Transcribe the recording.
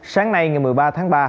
sáng nay ngày một mươi ba tháng ba